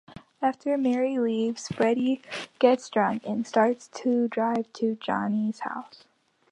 After Mary leaves, Freddy gets drunk and starts to drive to John's house.